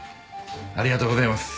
ありがとうございます。